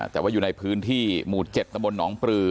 แต่ว่าอยู่ในพื้นที่หมู่๗ตำบลหนองปลือ